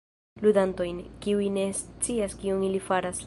Ludantojn, kiuj ne scias kion ili faras...